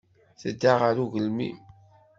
Tedda ɣer ugelmim.